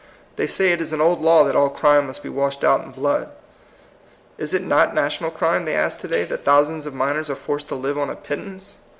They say it is an old law that all crime must be washed out in blood. Is it not national crime, they ask to day, that thousands of miners are forced to live on a pittance?